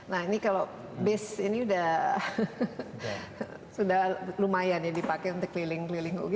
nah ini kalau base ini sudah lumayan ya dipakai untuk keliling keliling